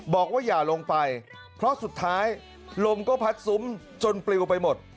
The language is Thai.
บอกว่าอย่าลงไปเพราะสุดท้ายลมก็พัดซุ้มจนปลิวไปหมด